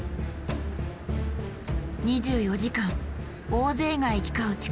２４時間大勢が行き交う